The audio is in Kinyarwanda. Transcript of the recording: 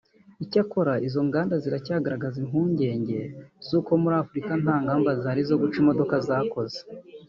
Icyakora izo nganda ziracyagaragaza impungenge z’uko muri Afurika nta ngamba zihari zo guca imodoka zakoze